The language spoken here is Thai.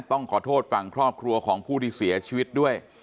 ต้องขอโทษฝั่งครอบครัวของผู้ที่เสียชีวิตด้วย